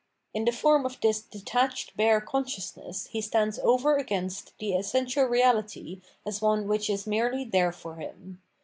In the form of this detached bare consciousness he stands over against the essential reahty as one which is merely there for him.